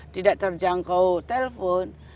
tidak terjangkau telpon